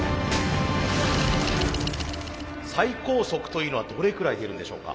最高速というのはどれくらい出るんでしょうか？